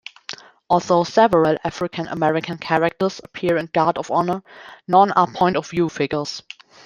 Although several African-American characters appear in "Guard of Honor", none are point-of-view figures.